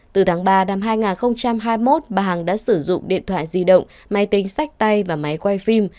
từ tháng ba năm hai nghìn hai mươi một bà hằng đã sử dụng điện thoại di động máy tính sách tay và máy quay phim